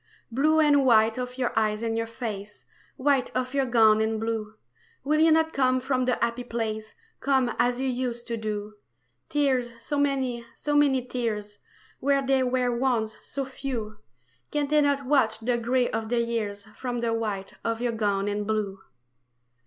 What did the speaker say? Blue and white of your eyes and your face, White of your gown and blue, Will you not come from the happy place, Come as you used to do? Tears so many, so many tears Where there were once so few Can they not wash the gray of the years From the white of your gown and blue?